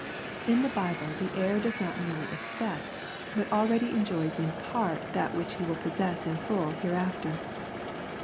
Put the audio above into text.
In the Bible the heir does not merely expect, but already enjoys in part that which he will possess in full hereafter.